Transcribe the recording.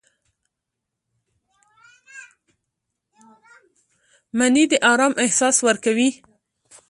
مني د آرام احساس ورکوي